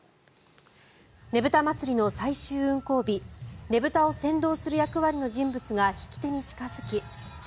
ねぶた祭の最終運行日ねぶたを先導する役割の人物が引き手に近付き。